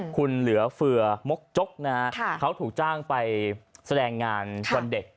คุณเหลือเฟือมกจกนะฮะเขาถูกจ้างไปแสดงงานวันเด็ก